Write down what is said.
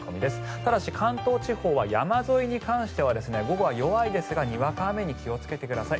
ただし、関東地方は山沿いに関しては午後は弱いですがにわか雨に気をつけてください。